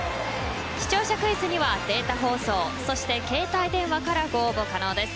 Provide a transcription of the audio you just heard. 視聴者クイズには、データ放送そして携帯電話からご応募可能です。